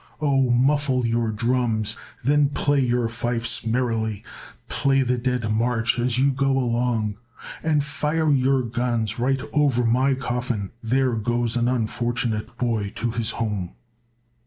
"Oh, muffle your drums, then play your fifes merrily; Play the Dead March as you go along. And fire your guns right over my coffin; There goes an unfortunate boy to his home.